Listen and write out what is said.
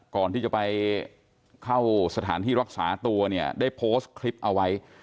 ก่อนที่จะไปเข้าสถานที่รักษาตัวเนี่ยได้โพสต์คลิปเอาไว้